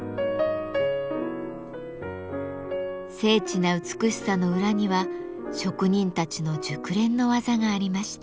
精緻な美しさの裏には職人たちの熟練の技がありました。